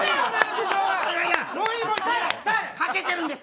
かけてるんです！